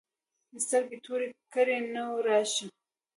سترګې تورې کړې نو راشې.